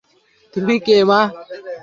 তুমি কে মা?